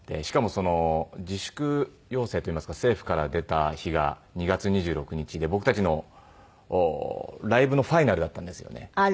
しかもその自粛要請といいますか政府から出た日が２月２６日で僕たちのライブのファイナルだったんですよね。